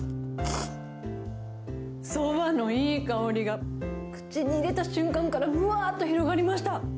そばのいい香りが、口に入れた瞬間から、ふわーっと広がりました。